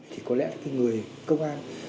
thì có lẽ là cái người công an